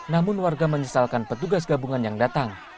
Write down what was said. namun warga menyesalkan petugas gabungan yang datang